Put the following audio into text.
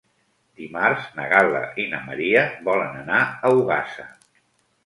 Dimarts na Gal·la i na Maria volen anar a Ogassa.